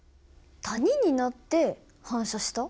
谷になって反射した？